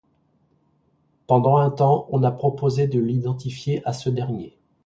Pendant un temps, on a proposé de l'identifier à ce dernier.